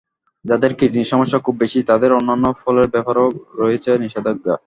যাঁদের কিডনির সমস্যা খুব বেশি, তাঁদের অন্যান্য ফলের ব্যাপারেও রয়েছে নিষেধাজ্ঞা।